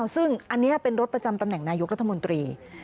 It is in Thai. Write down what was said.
ซึ่งอันนี้เป็นรถประจำตำแหน่งนายกรัฐมนตรี